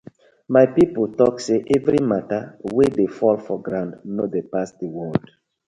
My pipu tok say everi matta wey dey fall for ground no dey pass the world.